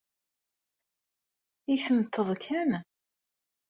I temmteḍ kan?